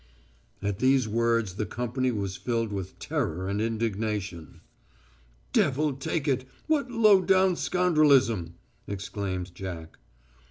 At these words the company was filled with terror and indignation. "Devil take it ... what low down scoundrelism!" exclaimed Jack.